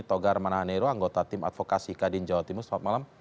togar manahanero anggota tim advokasi kadin jawa timur selamat malam